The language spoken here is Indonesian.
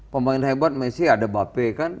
pemain hebat messi ada bape kan